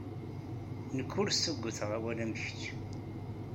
Nekk ur ssugguteɣ awal am kecc.